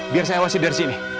biar saya awasi dari sini